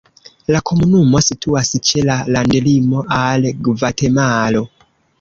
La komunumo situas ĉe la landlimo al Gvatemalo.